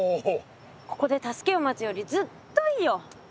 ここで助けを待つよりずっといいよ。